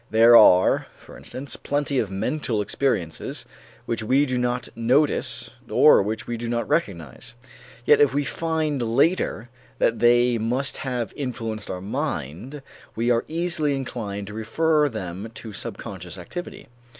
There are, for instance, plenty of mental experiences which we do not notice or which we do not recognize. Yet if we find later that they must have influenced our mind, we are easily inclined to refer them to subconscious activity.